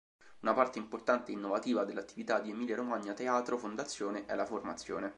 Una parte importante e innovativa dell'attività di Emilia Romagna Teatro Fondazione è la formazione.